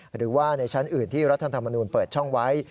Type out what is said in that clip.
หรือว่าในชั้นอื่นที่รัฐธรรมนูญเปิดช่องไว้